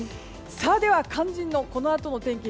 では肝心の、このあとの天気。